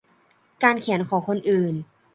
การเขียนของคนอื่น